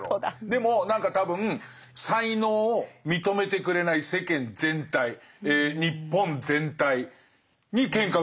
でも何か多分才能を認めてくれない世間全体日本全体にケンカ売ってるんだよ。